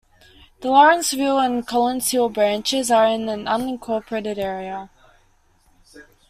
The Lawrenceville and Collins Hill branches are in an unincorporated area.